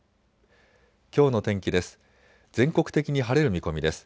きょうの天気です。